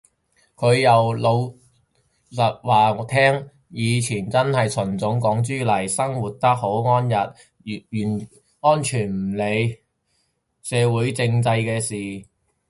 佢又好老實話我聽，以前真係純種港豬嚟，生活得好安逸，完全唔理社會政制時事